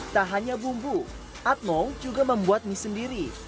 tak hanya bumbu atmo juga membuat mie sendiri